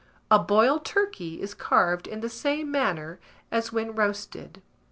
A boiled turkey is carved in the same manner as when roasted.